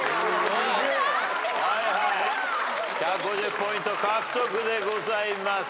１５０ポイント獲得でございます。